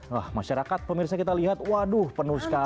wah masyarakat pemirsa kita lihat waduh penuh sekali